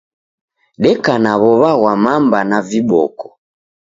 Deka na w'ow'a ghwa mamba na viboko